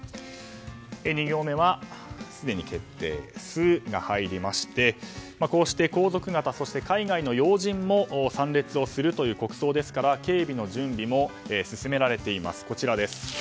２行目は、すでに決定の「ス」が入りましてこうして皇族方や海外の要人らも参列する国葬ですから警備の準備を進められています。